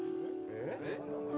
・えっ？